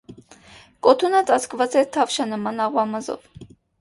Կոթունը ծածկված է թավշանման աղվամազով։